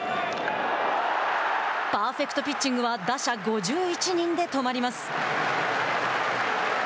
パーフェクトピッチングは打者５１人で止まります。